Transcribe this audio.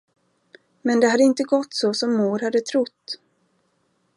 Men det hade inte gått så som mor hade trott.